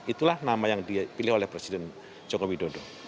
itulah nama yang dipilih oleh presiden jokowi dodo